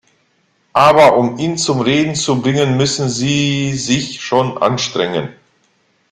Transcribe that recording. Aber um ihn zum Reden zu bringen, müssen Sie sich schon anstrengen.